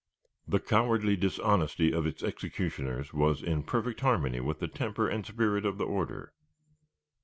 The cowardly dishonesty of its executioners was in perfect harmony with the temper and spirit of the order.